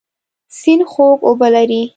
سیند خوږ اوبه لري.